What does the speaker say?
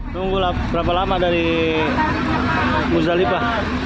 tunggulah berapa lama dari muzalipah